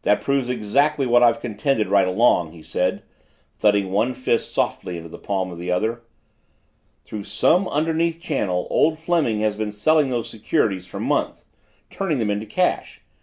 "That proves exactly what I've contended right along," he said, thudding one fist softly in the palm of the other. "Through some underneath channel old Fleming has been selling those securities for months, turning them into cash.